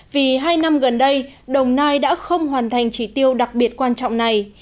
vì hai năm gần đây đồng nai đã không hoàn thành chỉ tiêu đặc biệt quan trọng này